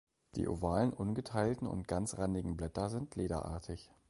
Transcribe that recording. Die ovalen, ungeteilten und ganzrandigen Blätter sind lederartig.